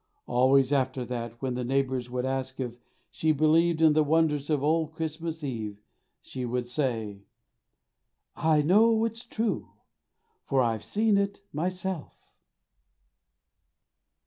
Always after that, when the neighbours would ask her if she believed in the wonders of the Old Christmas Eve, she would say: 'I know it's true, for I've seen it myself.'